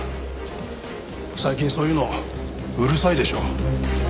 最近そういうのうるさいでしょ。